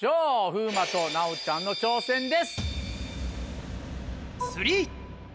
風磨と奈央ちゃんの挑戦です。